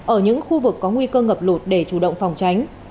ở những khu vực có nguy cơ ngập lụt để chủ động phòng tránh